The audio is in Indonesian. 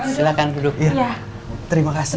silakan duduk iya terima kasih